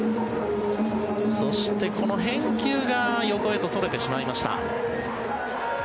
そしてこの返球が横へとそれてしまいました。